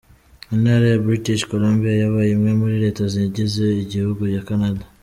Intara ya British Columbia yabaye imwe muri Leta zigize igihugu cya Canada.